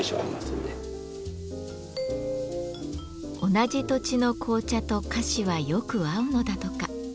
同じ土地の紅茶と菓子はよく合うのだとか。